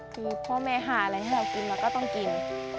คือพ่อแม่หากินอะไรก็ต้องกิน